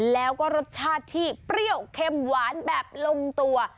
แล้วก็รสชาติที่เปรี้ยวเค็มหวานแบบลงตัว